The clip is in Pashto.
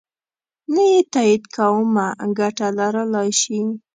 نه یې تایید کومه ګټه لرلای شي.